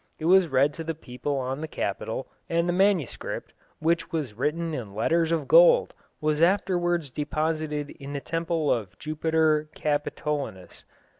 It was read to the people on the Capitol, and the manuscript, which was written in letters of gold, was afterwards deposited in the temple of Jupiter Capitolinus.